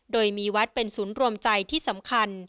โดยมีวัดเป็นศูนย์รวมใจที่สำคัญ